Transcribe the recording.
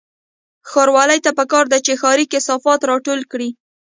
ښاروالۍ ته پکار ده چې ښاري کثافات راټول کړي